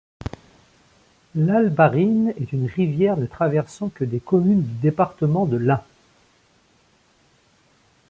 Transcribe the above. L'Albarine est une rivière ne traversant que des communes du département de l'Ain.